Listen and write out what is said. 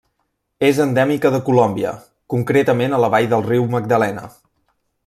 És endèmica de Colòmbia, concretament a la vall del Riu Magdalena.